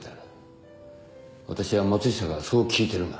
私は松下からそう聞いてるが。